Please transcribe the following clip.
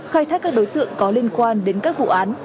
khai thác các đối tượng có liên quan đến các vụ án